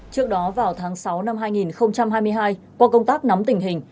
trước đó vào tháng sáu năm hai nghìn hai mươi hai qua công tác nắm tình hình